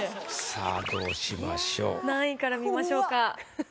さあどうしましょう？何位から見ましょうか？